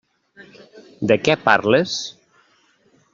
De què parles?